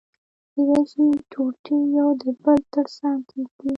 کېدای شي ټوټې يو د بل تر څنګه کېږدي.